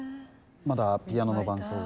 まだピアノの伴奏が。